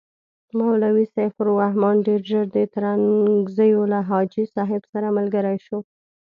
مولوي سیف الرحمن ډېر ژر د ترنګزیو له حاجي صاحب سره ملګری شو.